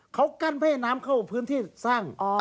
เขากั้นเพื่อให้น้ำเข้าพื้นที่สร้าง